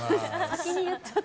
先に言っちゃった。